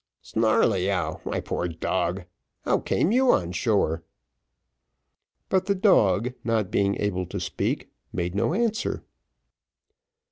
"Snarleyyow, my poor dog! how came you on shore?" But the dog not being able to speak, made no answer.